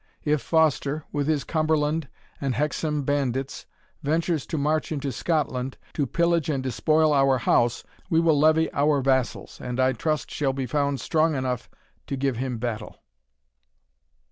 If Foster, with his Cumberland and Hexham bandits, ventures to march into Scotland, to pillage and despoil our House, we will levy our vassals, and, I trust, shall be found strong enough to give him battle."